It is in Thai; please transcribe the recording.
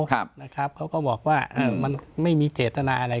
นะครับเขาก็บอกว่าอ่ะมันไม่มีเศรษฐนาอะไร